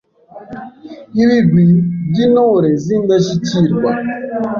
ibigwi by’Intore z’indashyikirwa.